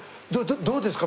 どうですか？